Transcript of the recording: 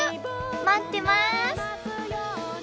待ってます！